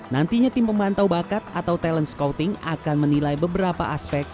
nantinya tim pemantau bakat atau talent scouting akan menilai beberapa aspek